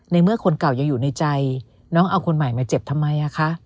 เมื่อคนเก่ายังอยู่ในใจน้องเอาคนใหม่มาเจ็บทำไมอ่ะคะ